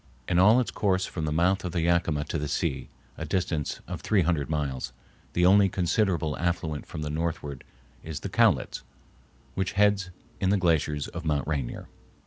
In all its course from the mouth of the Yakima to the sea, a distance of three hundred miles, the only considerable affluent from the northward is the Cowlitz, which heads in the glaciers of Mount Rainier.